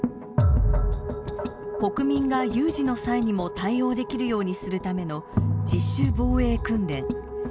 国民が有事の際にも対応できるようにするための自主防衛訓練。